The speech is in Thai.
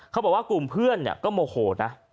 เขาบอกว่ากลุ่มเพื่อนก็โมโหนะ